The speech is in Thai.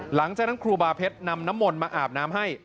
หลังจากนั้นครูบาเพชรนำน้ำมนต์มาอาบน้ำให้